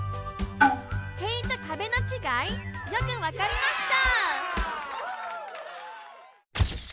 塀と壁のちがいよくわかりました！